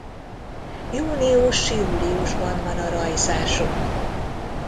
Június-júliusban van a rajzásuk.